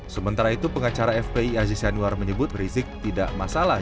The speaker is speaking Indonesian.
sementara itu pengacara fpi aziz yanuar menyebut rizik tidak masalah